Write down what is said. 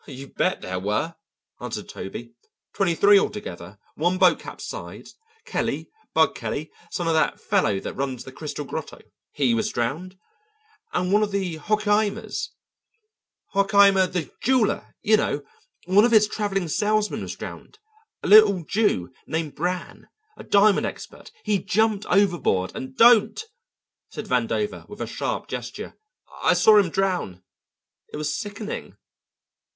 "You bet there were!" answered Toby. "Twenty three altogether; one boat capsized; Kelly, 'Bug' Kelly, son of that fellow that runs the Crystal Grotto, he was drowned, and one of Hocheimer's Hocheimer, the jeweller, you know one of his travelling salesmen was drowned; a little Jew named Brann, a diamond expert; he jumped overboard and " "Don't!" said Vandover with a sharp gesture. "I saw him drown it was sickening."